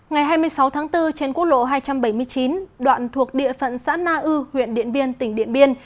ngày hai mươi sáu tháng bốn trên quốc lộ hai trăm bảy mươi chín đoạn thuộc địa phận xã na ư huyện điện biên tỉnh điện biên